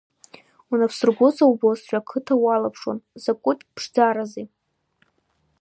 Унапсыргәыҵа убозшәа, ақыҭа уалаԥшуан, закәытә ԥшӡарази!